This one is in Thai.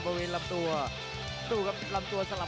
ประโยชน์ทอตอร์จานแสนชัยกับยานิลลาลีนี่ครับ